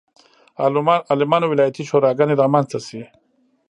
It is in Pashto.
عالمانو ولایتي شوراګانې رامنځته شي.